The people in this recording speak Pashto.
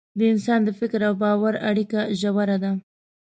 د انسان د فکر او باور اړیکه ژوره ده.